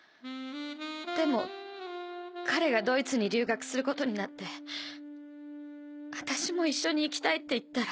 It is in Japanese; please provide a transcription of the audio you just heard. でも彼がドイツに留学することになって私も一緒に行きたいって言ったら。